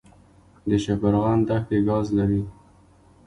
د شبرغان دښتې ګاز لري